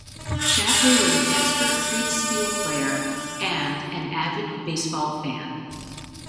Shapley was an expert Kriegspiel player, and an avid baseball fan.